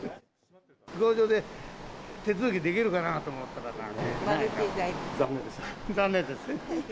飛行場で手続きできるかなと思ったら、残念でした。